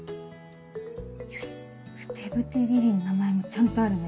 よし「ふてぶてリリイ」の名前もちゃんとあるね。